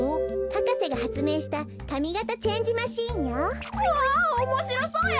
博士がはつめいしたかみがたチェンジマシンよ。わおもしろそうやな！